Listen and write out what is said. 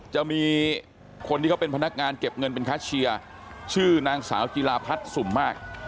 มีคนที่เขาเป็นพนักงานเก็บเงินเป็นค้าเชียร์ชื่อนางสาวจิลาพัฒน์สุ่มมาก